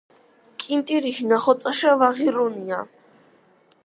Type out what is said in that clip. კინტირიში ნახოწაშა ვაღირუნია